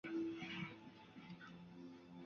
光绪三十二年随父考察日本。